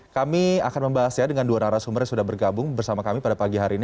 kami akan membahasnya dengan dua narasumber yang sudah bergabung bersama kami pada pagi hari ini